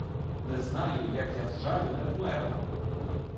Не знаю, як я з жалю не вмерла.